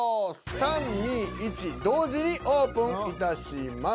３２１同時にオープンいたします。